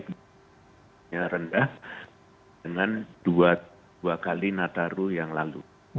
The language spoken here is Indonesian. sebenarnya rendah dengan dua kali nataru yang lalu